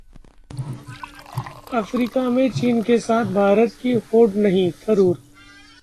Africa में चीन के साथ भारत की होड़ नहीं: थरूर